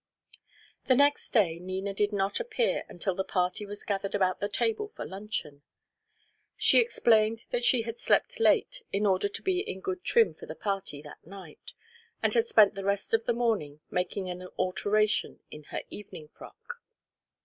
The next day Nina did not appear until the party was gathered about the table for luncheon. She explained that she had slept late in order to be in good trim for the party that night, and had spent the rest of the morning making an alteration in her evening frock.